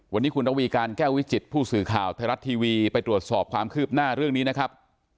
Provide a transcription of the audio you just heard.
วันนี้คุณระวีการแก้ววิจิตผู้สื่อข่าวไทยรัฐทีวีไปตรวจสอบความคืบหน้าเรื่องนี้นะครับ